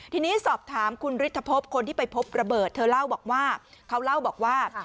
ทีนี้สอบถามคุณฤทธพพคนที่ไปพบระเบิดเขาเล่าบอกว่า